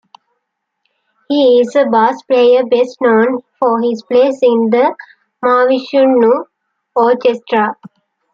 He is a bass player best known for his place in the Mahavishnu Orchestra.